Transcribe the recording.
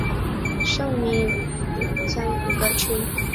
圣尼古拉区为比利时东法兰德斯省辖下的一个区。